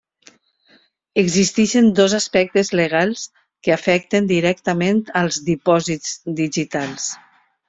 Existeixen dos aspectes legals que afecten directament als dipòsits digitals.